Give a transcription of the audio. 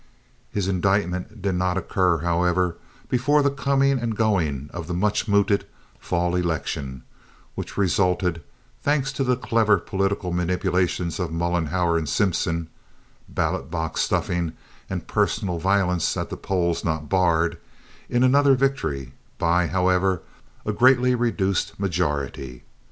His indictment did not occur, however, before the coming and going of the much mooted fall election, which resulted, thanks to the clever political manipulations of Mollenhauer and Simpson (ballot box stuffing and personal violence at the polls not barred), in another victory, by, however, a greatly reduced majority.